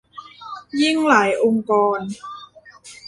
ยิ่งหลายองค์กร